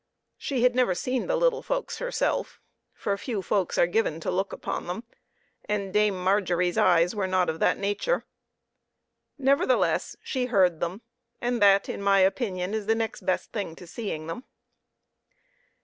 She had 32 PEPPER AND SALT. never seen the little folks herself, for few folks are given to look upon them, and Dame Margery's eyes were not of that nature. Nevertheless, she heard them, and that, in my opinion, is the next best thing to seeing them.